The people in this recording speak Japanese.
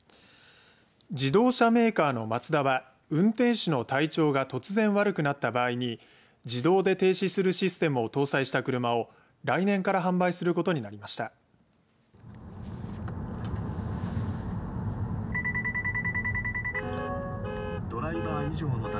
自動車メーカーのマツダは運転手の体調が突然悪くなった場合に自動で停止するシステムを搭載した車を来年から販売することになりました。